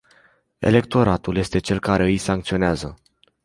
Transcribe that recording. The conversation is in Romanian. Electoratul este cel care îi sancționează.